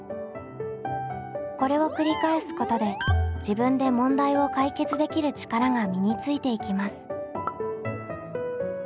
これを繰り返すことで「自分で問題を解決できる力」が身についていきます。